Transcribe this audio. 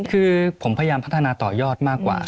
คือผมพยายามพัฒนาต่อยอดมากกว่า